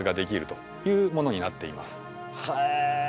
へえ。